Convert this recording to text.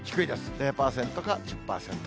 ０％か１０％。